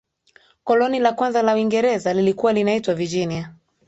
koloni la kwanza la uingereza lilikuwa linaitwa virginia